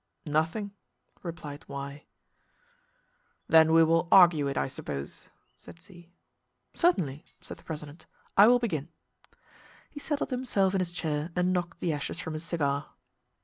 "Nothing," replied Y. "Then we will argue it, I suppose," said Z. "Certainly," said the president. "I will begin." He settled himself in his chair and knocked the ashes from his cigar.